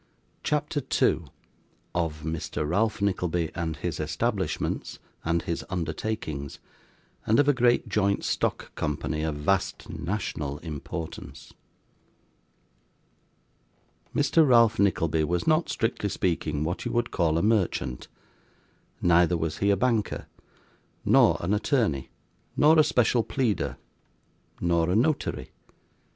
CHAPTER 2 Of Mr. Ralph Nickleby, and his Establishments, and his Undertakings, and of a great Joint Stock Company of vast national Importance Mr. Ralph Nickleby was not, strictly speaking, what you would call a merchant, neither was he a banker, nor an attorney, nor a special pleader, nor a notary.